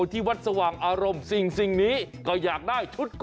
โกโควาที่ใครอยากได้